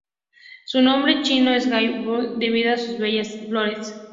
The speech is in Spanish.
Su nombre chino es hai tang hua debido a sus bellas flores.